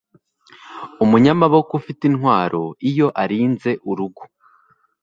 Umunyamaboko ufite intwaro iyo arinze urugo